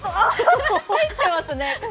入ってますね。